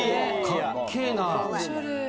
かっけな。